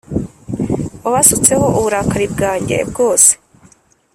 wabasutseho uburakari bwanjye bwose